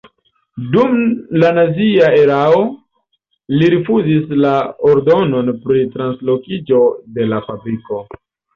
Dum la nazia erao li rifuzis la ordonon pri translokiĝo de la fabriko.